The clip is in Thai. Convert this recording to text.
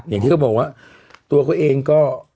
อย่างที่บอกว่าตัวเขาเองก็